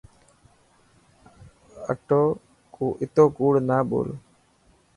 اتو ڪوڙ نا ٻول.